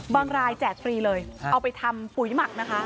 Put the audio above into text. รายแจกฟรีเลยเอาไปทำปุ๋ยหมักนะคะ